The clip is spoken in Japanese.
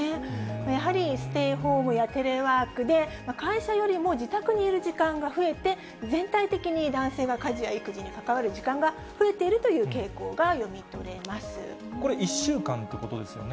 やはり、ステイホームやテレワークで、会社よりも自宅にいる時間が増えて、全体的に男性が家事や育児に関わる時間が増えているという傾向がこれ、１週間ということですよね。